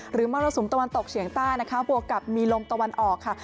มรสุมตะวันตกเฉียงใต้นะคะบวกกับมีลมตะวันออกค่ะ